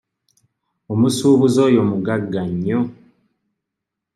Omusuubuzi oyo mugagga nnyo.